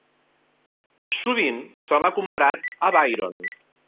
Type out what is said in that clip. Sovint se l'ha comparat a Byron.